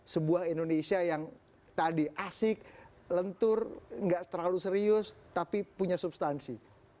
sebuah indonesia yang tadi asik lentur nggak terlalu serius tapi punya substansi